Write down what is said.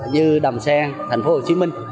như đàm sen tp hcm